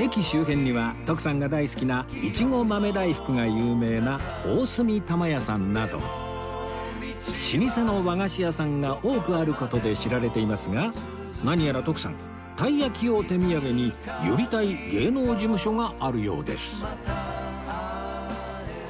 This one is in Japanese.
駅周辺には徳さんが大好きないちご豆大福が有名な大角玉屋さんなど老舗の和菓子屋さんが多くある事で知られていますが何やら徳さんたいやきを手土産に寄りたい芸能事務所があるようです